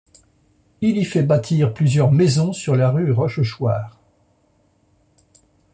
Il y fait bâtir plusieurs maisons sur la rue Rochechouart.